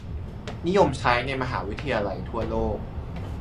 นิยมใช้ในมหาวิทยาลัยทั่วโลก